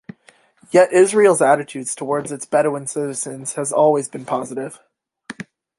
Yet Israel's attitude towards its Bedouin citizens has always been positive.